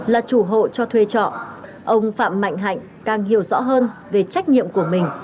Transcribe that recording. là chủ hộ cho thuê trọ ông phạm mạnh hạnh càng hiểu rõ hơn về trách nhiệm của mình